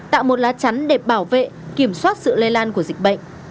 tạo một lá chắn để bảo vệ kiểm soát sự lây lan của dịch bệnh